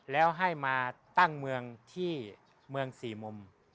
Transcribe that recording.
แล้วให้มาตั้งเมืองที่เมืองสี่มุม